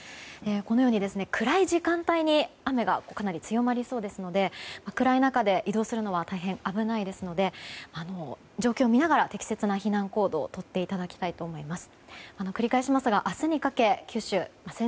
このように暗い時間帯に雨がかなり強まりそうですので暗い中で移動するのは大変、危ないですので状況を見ながら適切な避難行動をとっていただきたいと思います。